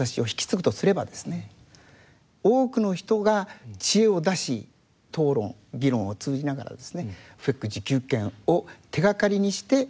多くの人が知恵を出し討論議論を通じながらですねＦＥＣ自給圏を手がかりにして未来社会を築いていく。